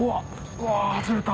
うわ外れた。